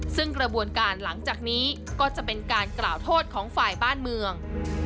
ซึ่งกระบวนการหลังจากนี้ก็จะเป็นการกล่าวโทษของฝ่ายบ้านเมือง